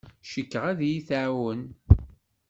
Cikkeɣ ad iyi-tɛawen.